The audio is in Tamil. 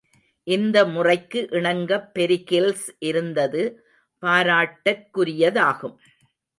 இந்த முறைக்கு இணங்கப் பெரிகில்ஸ் இருந்தது பாராட்டற்குரிய தாகும்.